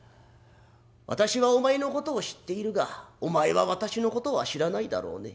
私はお前のことを知っているがお前は私のことは知らないだろうね。